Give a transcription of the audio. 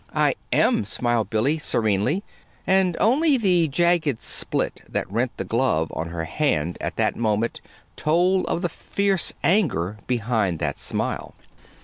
"I am," smiled Billy, serenely; and only the jagged split that rent the glove on her hand, at that moment, told of the fierce anger behind that smile.